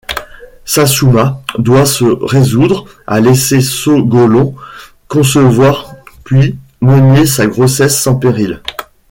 Sassouma doit se résoudre à laisser Sogolon concevoir puis mener sa grossesse sans péril.